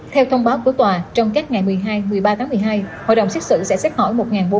theo thông báo của tòa trong các ngày một mươi hai một mươi ba tháng một mươi hai hội đồng xét xử sẽ xét hỏi